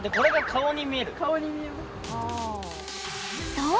そう！